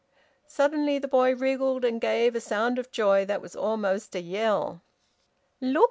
Suddenly the boy wriggled, and gave a sound of joy that was almost a yell. "Look!"